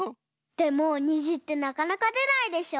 でもにじってなかなかでないでしょ？